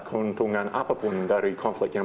keuntungan apapun dari konflik yang